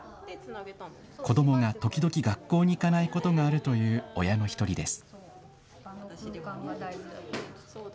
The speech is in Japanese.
子どもが時々学校に行かないことがあるという親の一人です。